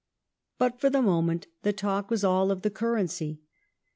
But for the moment the talk was all of the currency.